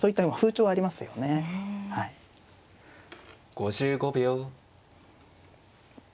５５秒。